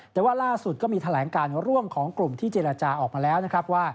แต่ว่าล่าสุดก็มีแถลงการว่าร่วมของกลุ่มที่เจรจาออกมาแล้ว